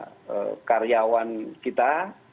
baik kepada karyawan kita